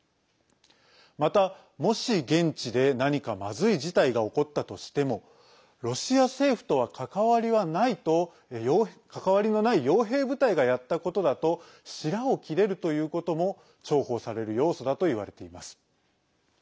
また、もし現地で何かまずい事態が起こったとしてもロシア政府とは関わりのないよう兵部隊がやったことだとしらを切れるということも重宝される要素だといわれています。